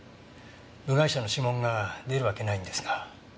部外者の指紋が出るわけないんですが。